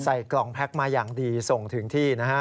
ใส่กล่องแพ็คมาอย่างดีส่งถึงที่นะฮะ